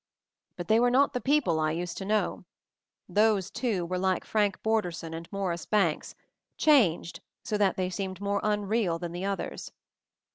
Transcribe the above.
But they were not the people I used to know; those, too, were like Frank Borderson and Morris Banks — changed so that they seemed more unreal than the others.